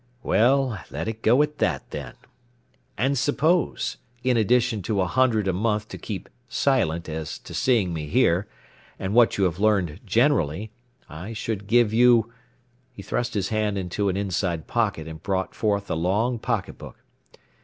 "Well, let it go at that, then. And suppose, in addition to a hundred a month to keep silent as to seeing me here, and what you have learned generally, I should give you " He thrust his hand into an inside pocket and brought forth a long pocketbook.